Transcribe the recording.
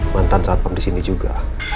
mantan satpam disini juga